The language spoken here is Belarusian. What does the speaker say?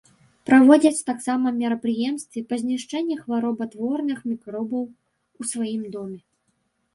Праводзяць таксама мерапрыемствы па знішчэнні хваробатворных мікробаў у сваім доме.